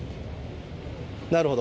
なるほど。